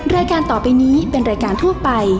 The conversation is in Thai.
รายการต่อไปนี้เป็นรายการทั่วไป